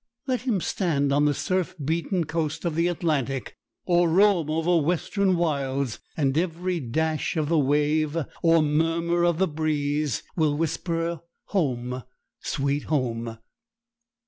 Let him stand on the surf beaten coast of the Atlantic, or roam over western wilds, and every dash of the wave or murmur of the breeze will whisper home, sweet home!